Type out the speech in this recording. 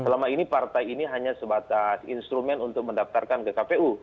selama ini partai ini hanya sebatas instrumen untuk mendaftarkan ke kpu